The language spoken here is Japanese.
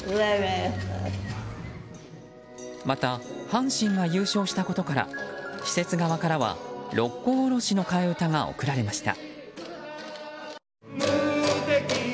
また阪神が優勝したことから施設側からは「六甲おろし」の替え歌が贈られました。